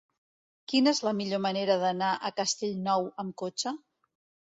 Quina és la millor manera d'anar a Castellnou amb cotxe?